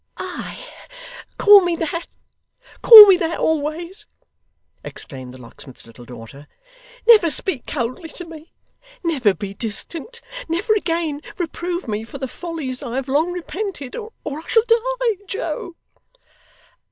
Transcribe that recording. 'Ay, call me that; call me that always,' exclaimed the locksmith's little daughter; 'never speak coldly to me, never be distant, never again reprove me for the follies I have long repented, or I shall die, Joe.